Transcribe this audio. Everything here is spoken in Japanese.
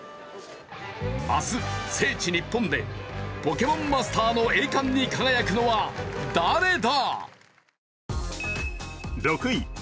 明日、聖地・日本でポケモンマスターの栄冠に輝くのは誰だ？